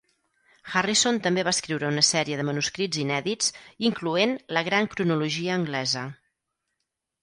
Harrison també va escriure una sèrie de manuscrits inèdits, incloent "La Gran Cronologia Anglesa".